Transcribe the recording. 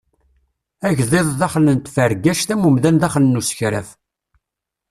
Agḍiḍ daxel n tfergact am umdan daxel n usekraf.